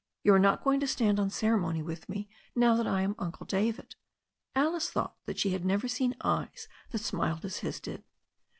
You are not going to stand on ceremony with me, now that I am Uncle David." Alice thought that she had never seen eyes that smiled as his did.